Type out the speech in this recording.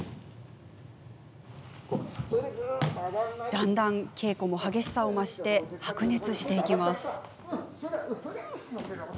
だんだん稽古も激しさを増し白熱していきます。